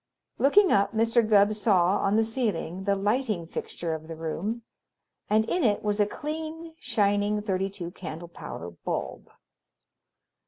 Looking up, Mr. Gubb saw, on the ceiling, the lighting fixture of the room, and in it was a clean, shining thirty two candle power bulb.